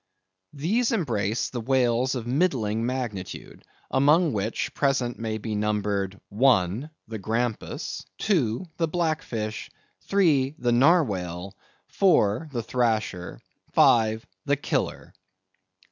*—These embrace the whales of middling magnitude, among which present may be numbered:—I., the Grampus; II., the Black Fish; III., the Narwhale; IV., the Thrasher; V., the Killer.